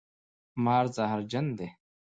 مار زهرجن دی